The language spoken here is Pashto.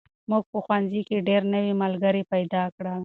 موږ په ښوونځي کې ډېر نوي ملګري پیدا کړل.